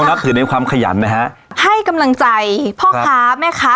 นับถือในความขยันนะฮะให้กำลังใจพ่อค้าแม่ค้า